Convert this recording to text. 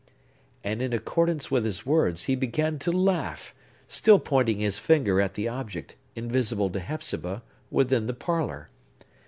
And, in accordance with his words, he began to laugh, still pointing his finger at the object, invisible to Hepzibah, within the parlor.